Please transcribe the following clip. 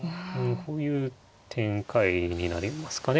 こういう展開になりますかね。